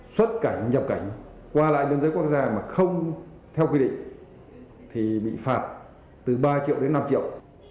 xuất cảnh nhập cảnh qua lại biên giới quốc gia mà không theo quy định thì bị phạt từ ba triệu đến năm triệu